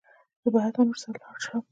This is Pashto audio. زه به هتمن ور سره ولاړ شم.